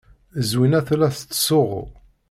Zwina tella tettsuɣu.